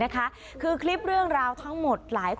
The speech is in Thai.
ไม่รู้ทำอย่างไร